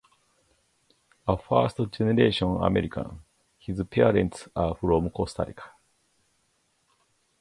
A first-generation American, his parents are from Costa Rica.